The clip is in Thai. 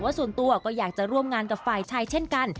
ส่วนตัวก็อยากจะร่วมงานกับฝ่ายชายเช่นกัน